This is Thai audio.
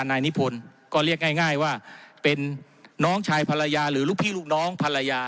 นายนิพนธ์ก็เรียกง่ายว่าเป็นน้องชายภรรยาหรือลูกพี่ลูกน้องภรรยา